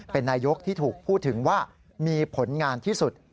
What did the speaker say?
เป็นนายกที่ถูกพูดถึงว่ามีผลงานที่สุด